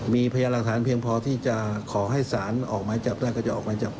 มีพยานหลักฐานเพียงพอที่จะขอให้สารออกหมายจับได้ก็จะออกหมายจับ